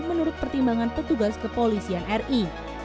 menurut pertimbangan petugas kepolisian ri